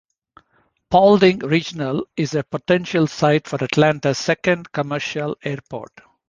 Paulding Regional is a potential site for Atlanta's second commercial airport.